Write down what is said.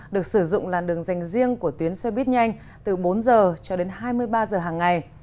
được sử dụng làn đường dành riêng của tuyến xe buýt nhanh từ bốn giờ cho đến hai mươi ba h hàng ngày